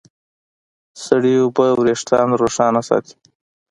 سړې اوبه وېښتيان روښانه ساتي.